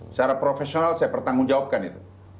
secara profesional saya bertanggung jawabkan itu